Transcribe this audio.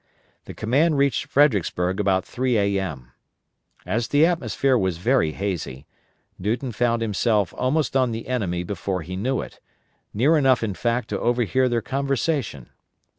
The command reached Fredericksburg about 3 A.M. As the atmosphere was very hazy, Newton found himself almost on the enemy before he knew it; near enough in fact to overhear their conversation.